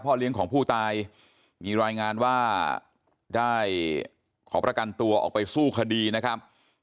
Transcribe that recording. เลี้ยงของผู้ตายมีรายงานว่าได้ขอประกันตัวออกไปสู้คดีนะครับ